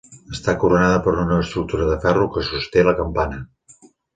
Està coronada per una estructura de ferro que sosté la campana.